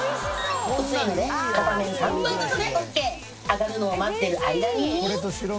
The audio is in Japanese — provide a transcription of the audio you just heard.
揚がるのを待ってる間に